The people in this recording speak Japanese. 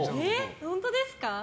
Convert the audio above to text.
本当ですか？